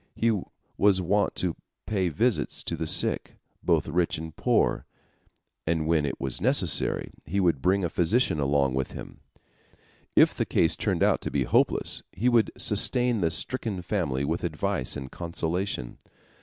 He was wont to pay visits to the sick, both rich and poor, and when it was necessary, he would bring a physician along with him. If the case turned out to be hopeless, he would sustain the stricken family with advice and consolation.